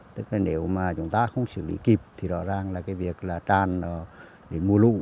tức là nếu mà chúng ta không xử lý kịp thì rõ ràng là cái việc là tràn nó bị mưa lũ